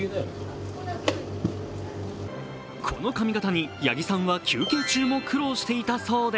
この髪形に八木さんは休憩中も苦労していたそうで